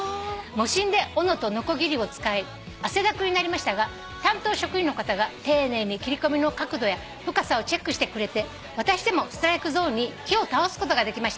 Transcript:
無心でおのとのこぎりを使い汗だくになりましたが担当職員の方が丁寧に切り込みの角度や深さをチェックしてくれて私でもストライクゾーンに木を倒すことができました」